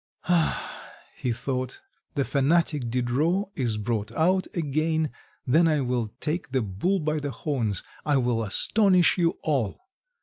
"Ah," he thought, "the fanatic Diderot is brought out again, then I will take the bull by the horns, I will astonish you all."